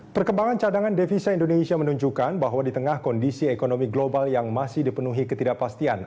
perkembangan cadangan devisa indonesia menunjukkan bahwa di tengah kondisi ekonomi global yang masih dipenuhi ketidakpastian